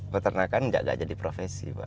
peternakan nggak jadi profesi pak